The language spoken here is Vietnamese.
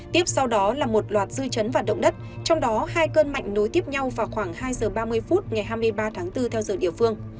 tiếp sau đó là một loạt dư chấn và động đất trong đó hai cơn mạnh nối tiếp nhau vào khoảng hai giờ ba mươi phút ngày hai mươi ba tháng bốn theo giờ địa phương